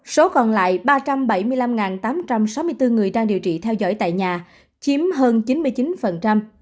số còn lại ba trăm bảy mươi năm tám trăm sáu mươi bốn người đang điều trị theo dõi tại nhà chiếm hơn chín mươi chín